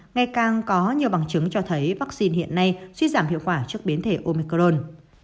ngày càng có nhiều bằng chứng cho thấy vaccine hiện nay suy giảm hiệu quả trước biến thể omicron